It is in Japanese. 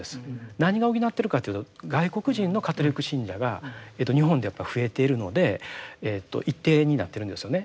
何が補っているかというと外国人のカトリック信者が日本でやっぱり増えているので一定になっているんですよね。